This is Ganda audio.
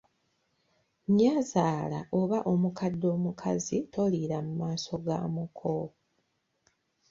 Nnyazaala oba omukadde omukazi toliira mu maaso ga muko.